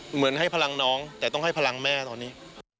เหมือนให้พลังน้องแต่ต้องให้พลังแม่ตอนนี้